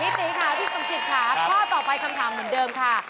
ตีค่ะพี่สมจิตค่ะข้อต่อไปคำถามเหมือนเดิมค่ะ